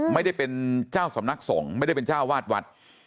ไม่ได้เป็นเจ้าสำนักสงฆ์ไม่ได้เป็นเจ้าวาดวัด